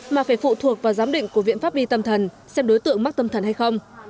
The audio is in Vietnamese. mà phải phụ thuộc vào giám định của viện pháp y tâm thần xem đối tượng mắc tâm thần hay không